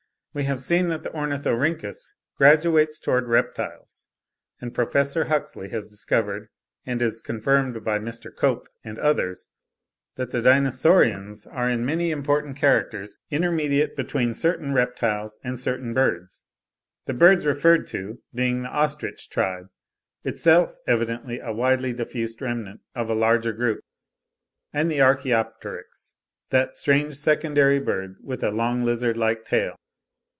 We have seen that the Ornithorhynchus graduates towards reptiles; and Prof. Huxley has discovered, and is confirmed by Mr. Cope and others, that the Dinosaurians are in many important characters intermediate between certain reptiles and certain birds—the birds referred to being the ostrich tribe (itself evidently a widely diffused remnant of a larger group) and the Archeopteryx, that strange Secondary bird, with a long lizard like tail.